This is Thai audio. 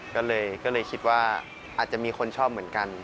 ก็เลยคิดว่าอาจจะมีคนชอบเหมือนกัน